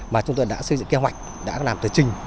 mà chúng tôi đã xây dựng kế hoạch đã làm tờ trình